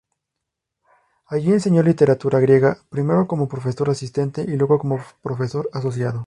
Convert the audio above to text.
Allí enseñó literatura griega, primero como profesor asistente, y luego como profesor asociado.